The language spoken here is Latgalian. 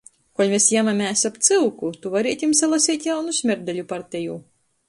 Kuoļ mes jamamēs ap cyuku, tu varietim salaseit jaunu smerdeļu parteju.